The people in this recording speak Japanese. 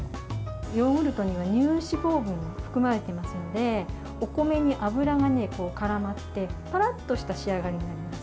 ヨーグルトには乳脂肪分が含まれていますのでお米に脂がからまってぱらっとした仕上がりになります。